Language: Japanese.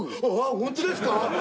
ホントですか？